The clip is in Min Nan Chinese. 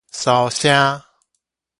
梢聲